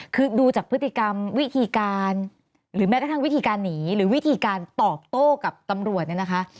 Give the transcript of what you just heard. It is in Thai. คือดูจากพฤติกรรมวิธีการหรือแม้กระทั่งวิธีการหนีหรือวิธีการตอบโต้กับตำรวจเนี่ยนะคะ